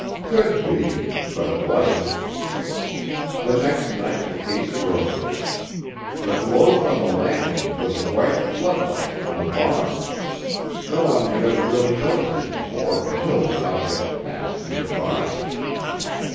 Could be, but it wasn't. The next night the case broke. The glow from the landing was a bright floodlight on a barn. No one had ever really noticed it before until the object passed nearby.